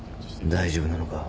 大丈夫なのか？